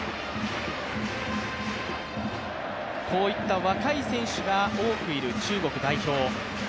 こういった若い選手が多くいる中国代表。